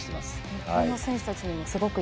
日本の選手たちにもすごくいい影響が。